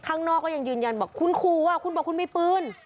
ข้างนอกก็ยังยืนยันบอกคุณขู่อ่ะคุณบอกคุณมีปืน